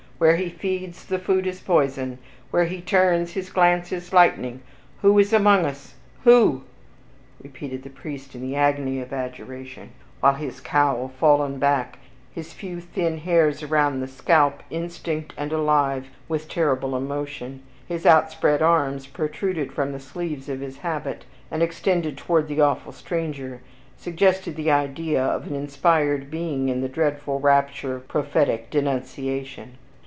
Where he feeds, the food is poison! Where he turns his glance is lightning! WHO IS AMONG US? WHO?" repeated the priest in the agony of adjuration, while his cowl fallen back, his few thin hairs around the scalp instinct and alive with terrible emotion, his outspread arms protruded from the sleeves of his habit, and extended toward the awful stranger, suggested the idea of an inspired being in the dreadful rapture of prophetic denunciation.